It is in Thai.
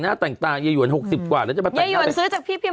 น้ำพร้าวแม่ะอีพีม